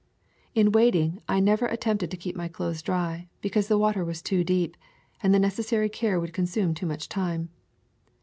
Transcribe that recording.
In wading I never attempted to keep my clothes dry, because the water was too deep, and the necessary care would consume too much time.